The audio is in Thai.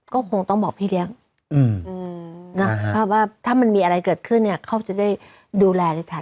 ก็คงต้องบอกพี่เลี้ยงอืมอืมนะฮะว่าถ้ามันมีอะไรเกิดขึ้นเนี้ยเขาจะได้ดูแลได้ทัน